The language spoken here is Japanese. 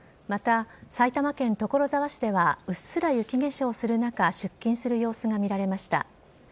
また、埼玉県所沢市ではうっすら雪化粧する中、出勤する様子が見られました。